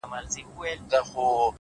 • غنمرنگو کي سوالگري پيدا کيږي ـ